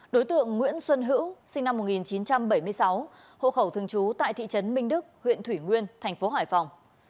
đối tượng nguyễn xuân hữu sinh năm một nghìn chín trăm bảy mươi sáu hộ khẩu thường trú tại thị trấn minh đức huyện thủy nguyên thành phố hải phòng